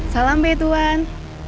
salam be tuhan